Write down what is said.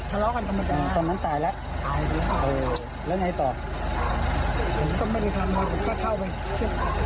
เพราะไม่สามารถที่จะมาชี้แจงอะไรได้แล้วนะครับนี่เป็นที่ผู้ต้องหาเขากล่าวอ้างนะครับ